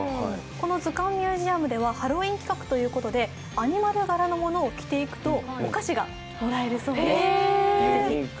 このずかんミュージアムではハロウィーンということでアニマル柄のものを着ていくとお菓子がもらえるそうです。